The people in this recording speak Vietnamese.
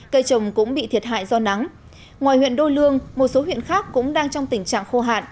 cây trồng cũng bị thiệt hại do nắng ngoài huyện đô lương một số huyện khác cũng đang trong tình trạng khô hạn